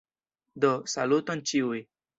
Do, saluton ĉiuj.